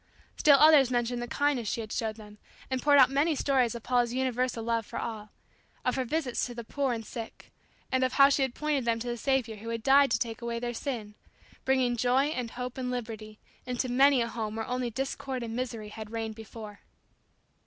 Still others mentioned the kindness she had shown them, and poured out many stories of Paula's universal love for all of her visits to the poor and sick, and of how she had pointed them to the Saviour who had died to take away their sin; bringing joy and hope and liberty into many a home where only discord and misery had reigned before.